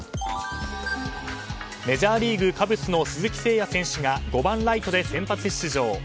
メジャーリーグカブスの鈴木誠也選手が５番ライトで先発出場。